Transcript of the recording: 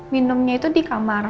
minumnya itu di kamar